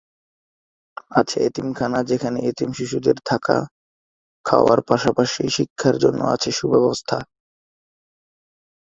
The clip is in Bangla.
আছে এতিমখানা, যেখানে এতিম শিশুদের থাকা খাওয়ার পাশাপাশি শিক্ষার জন্য আছে সুব্যবস্থা।